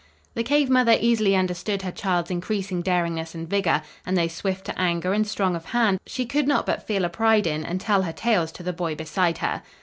The cave mother easily understood her child's increasing daringness and vigor, and though swift to anger and strong of hand, she could not but feel a pride in and tell her tales to the boy beside her.